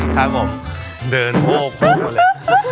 ครับผมเดินโพกปู้มาเลย